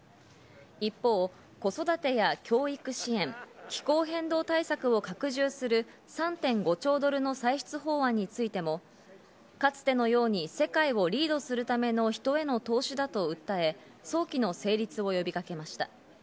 一方、子育てや教育支援、気候変動対策を拡充する３．５兆ドルの歳出法案についてもかつてのように世界をリードするための人への投資だと訴え、早期の成立を呼びかけました。